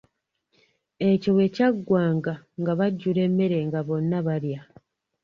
Ekyo bwe kyaggwanga nga bajjula emmere nga bonna balya.